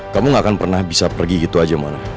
kamu gak akan pernah bisa pergi gitu aja mana